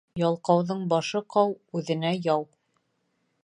Ялҡауҙың башы ҡау, үҙенә яу.